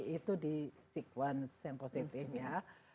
itu di sequence yang positifnya